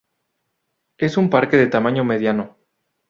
Es un parque de tamaño mediano.